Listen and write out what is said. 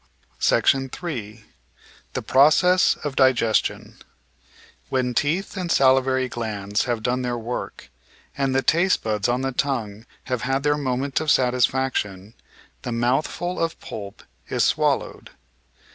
§3 The Process of Digestion When teeth and salivary glands have done their work, and the taste buds on the tongue have had their moment of satisfac tion, the mouthful of pulp is swallowed.